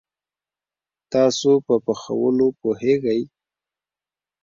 تاسو په پخولوو پوهیږئ؟